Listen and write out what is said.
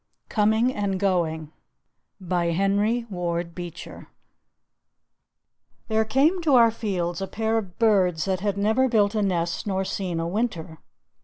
COMING AND GOING HENRY WARD BEECHER There came to our fields a pair of birds that had never built a nest nor seen a winter.